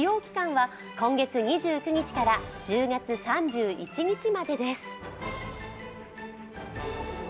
利用期間は今月２９日から１０月３１日までです。